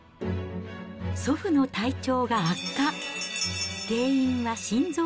祖父の体調が悪化。